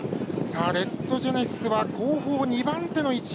レッドジェネシスは後方２番手の位置。